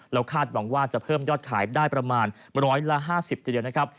แล้วคาดหวังว่าจะเพิ่มยอดขายได้ประมาณ๑๕๐ทีเดียวนะครับ